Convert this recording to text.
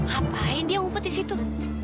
ngapain dia ngumpet di situ